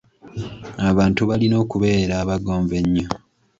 Abantu balina okubeera abagonvu ennyo.